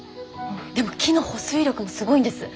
でも木の保水力もすごいんです。